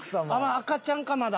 赤ちゃんかまだ。